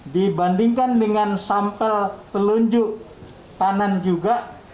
dibandingkan dengan sampel telunjuk tanan juga